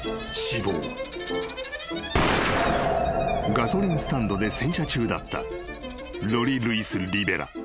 ［ガソリンスタンドで洗車中だったロリ・ルイス・リベラ。